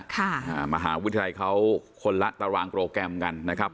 อ่ามหาวิทยาลัยเขาคนละตารางโปรแกรมกันนะครับ